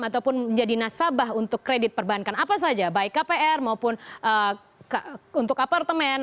ataupun menjadi nasabah untuk kredit perbankan apa saja baik kpr maupun untuk apartemen